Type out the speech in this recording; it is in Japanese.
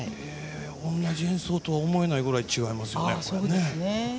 同じ演奏と思えないぐらい違いますよね。